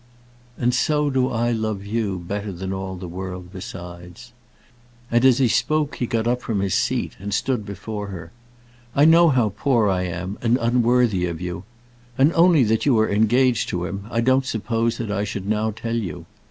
"And so do I love you better than all the world besides." And as he spoke he got up from his seat and stood before her. "I know how poor I am, and unworthy of you; and only that you are engaged to him, I don't suppose that I should now tell you.